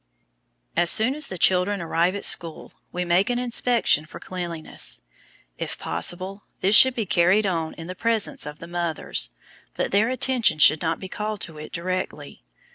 As soon as the children arrive at school we make an inspection for cleanliness. If possible, this should be carried on in the presence of the mothers, but their attention should not be called to it directly.